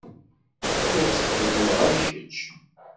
Ur ttxemmimeɣ am kečč.